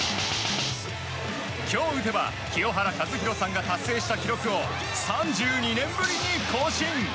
今日打てば清原和博さんが達成した記録を３２年ぶりに更新。